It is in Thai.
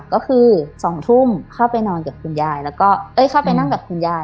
ก็คือ๒ทุ่มเข้าไปนอนกับคุณยายแล้วก็เอ้ยเข้าไปนั่งกับคุณยาย